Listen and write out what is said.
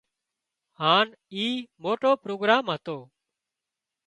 هانَ اِي موٽو پروگرام هتو